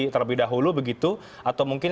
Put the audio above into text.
terlebih dahulu begitu atau mungkin